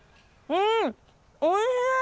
うんおいしい！